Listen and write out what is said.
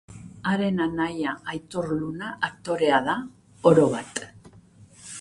Haren anaia Aitor Luna aktorea da, orobat.